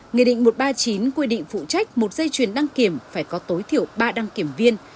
nghị định một trăm ba mươi chín quy định phụ trách một dây chuyển đăng kiểm phải có tối thiểu ba đăng kiểm viên